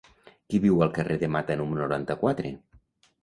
Qui viu al carrer de Mata número noranta-quatre?